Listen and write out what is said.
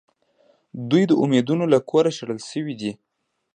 دوی د اُمیدوارانو له کوره شړل شوي دي.